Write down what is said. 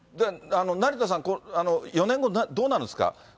成田さん、４年後、どうなるんですか？